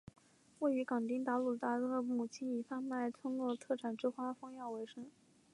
位于港町里达鲁旦特与母亲以贩卖村落特产之花封药为生。